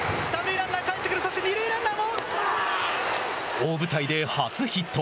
大舞台で初ヒット。